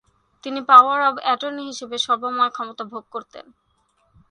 তিনি power of attorney হিসেবে সর্বময় ক্ষমতা ভোগ করতেন।